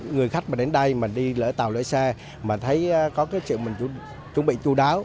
người khách mà đến đây mà đi lỡ tàu lỡ xe mà thấy có cái sự mình chuẩn bị chú đáo